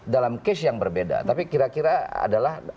dalam case yang berbeda tapi kira kira adalah